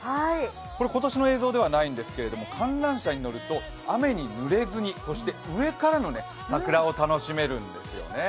これ今年の映像ではないんですけれども、観覧車に乗ると雨に濡れずに、そして上からの桜を楽しめるんですよね。